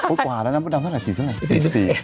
อุ๊ยขวาแล้วนะน้ำเบื้อดำเท่าไหร่๔๐แล้วไง